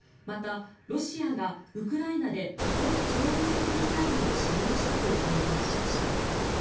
また、ロシアがウクライナで極超音速ミサイルを使用したと明言しました。